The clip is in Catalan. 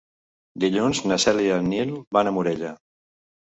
Dilluns na Cèlia i en Nil van a Morella.